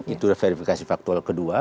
itu verifikasi faktual kedua